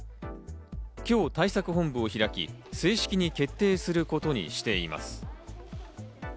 今日、対策本部を開き正式に決定することにしています。